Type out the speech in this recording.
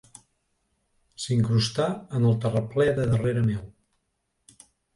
S'incrustà en el terraplè de darrere meu.